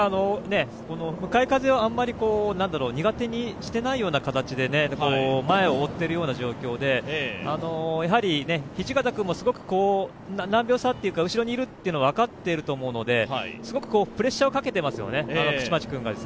向かい風をあまり苦手にしていないような形で前を追っているような状況で、土方君もすごく何秒差というか後ろにいるというのを分かっていると思うので、口町君がプレッシャーをかけていますよね。